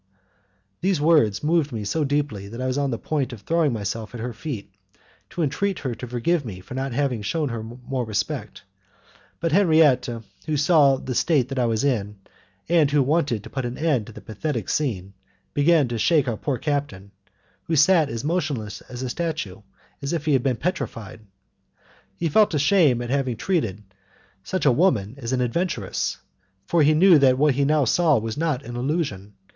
Those words moved me so deeply that I was on the point of throwing myself at her feet, to entreat her to forgive me for not having shewn her more respect, but Henriette, who saw the state in which I was, and who wanted to put an end to the pathetic scene, began to shake our poor captain, who sat as motionless as a statue, and as if he had been petrified. He felt ashamed at having treated such a woman as an adventuress, for he knew that what he now saw was not an illusion.